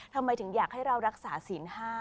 ทำไมถึงอยากให้เรารักษาศีล๕